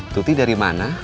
tuti dari mana